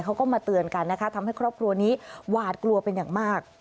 เขาก็มาเตือนกันนะคะทำให้ครอบครัวนี้หวาดกลัวเป็นอย่างมาก